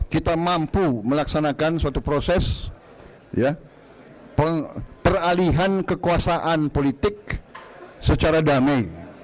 kita mampu melaksanakan suatu proses peralihan kekuasaan politik secara damai